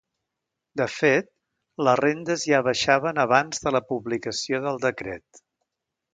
De fet, les rendes ja baixaven abans de la publicació del decret.